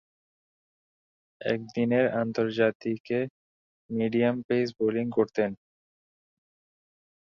একদিনের আন্তর্জাতিকে medium pace bowling করতেন।